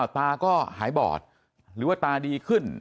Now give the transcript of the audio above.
ตาก็หายบอดหรือว่าตาดีขึ้น